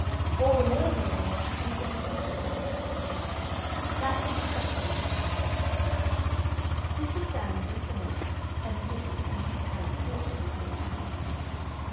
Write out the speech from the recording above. "All the more reason why she shouldn't get herself talked about." "That is exactly what I feel." Mr. Stanley took the letter and stood with it in his hand thoughtfully for a time.